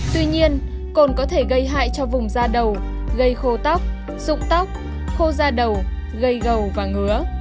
tuy nhiên cồn có thể gây hại cho vùng da đầu gây khô tóc dụng tóc khô da đầu gây gầu và ngứa